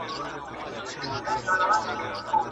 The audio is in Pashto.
کږې خولې په سوک سمیږي د اولس د باتورانو؛